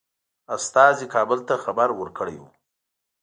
استازي کابل ته خبر ورکړی وو.